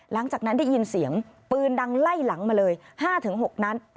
หลังจากนั้นได้ยินเสียงปืนดังไล่หลังมาเลย๕๖นัด